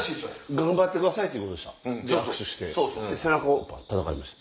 頑張ってくださいってことでした